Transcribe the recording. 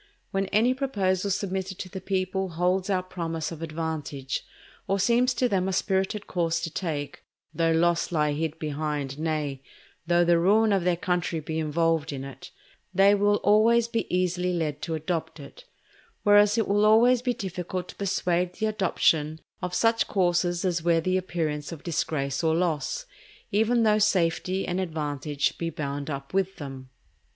When any proposal submitted to the people holds out promise of advantage, or seems to them a spirited course to take, though loss lie hid behind, nay, though the ruin of their country be involved in it, they will always be easily led to adopt it; whereas it will always be difficult to persuade the adoption of such courses as wear the appearance of disgrace or loss, even though safety and advantage be bound up with them.